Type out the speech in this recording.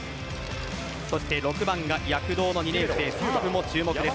そして６番が躍動の２年生サーブも注目です